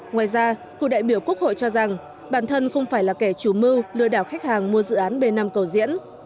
ngoài ra cựu đại biểu quốc hội cho rằng bản thân không phải là kẻ chủ mưu lừa đảo khách hàng mua dự án b năm cầu diễn